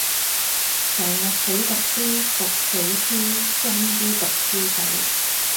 成日死讀書,讀死書,終於讀書死